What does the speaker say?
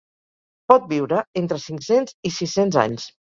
Pot viure entre cinc-cents i sis-cents anys.